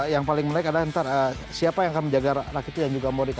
yang paling menarik adalah entar siapa yang akan menjaga rakitic dan juga modric